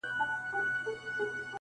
• تر منګول یې څاڅکی څاڅکی تویېدلې -